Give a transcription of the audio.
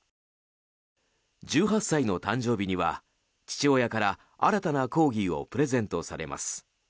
１８歳の誕生日には父親から新たなコーギーをプレゼントされます。